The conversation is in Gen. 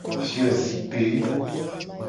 Fiozikpe.